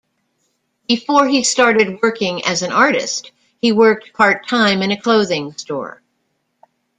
Before he started working as an artist, he worked part-time in a clothing store.